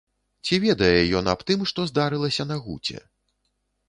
Ці ведае ён аб тым, што здарылася на гуце?